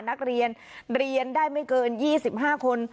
นักเรียนเรียนได้ไม่เกิน๒๕คน